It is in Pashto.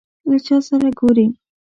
له چا سره ګورې ؟